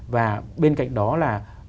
và bên cạnh đó là